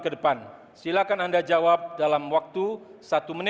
kemampuan dan kemampuan